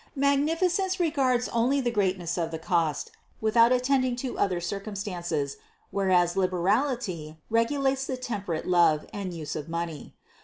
Magnificence regards only the greatness of the cost, without attending to other circumstances, whereas liberal ity regulates the temperate love and use of money.